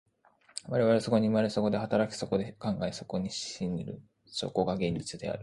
我々はそこに生まれ、そこで働き、そこで考え、そこに死ぬる、そこが現実である。